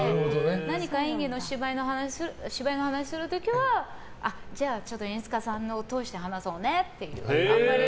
何か演技、芝居の話する時はじゃあ、ちょっと演出家さんを通して話そうねって。